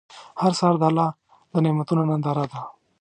هر سهار د الله د نعمتونو ننداره ده.